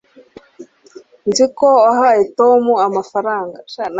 nzi ko wahaye tom amafaranga